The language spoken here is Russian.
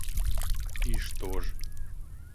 И что ж?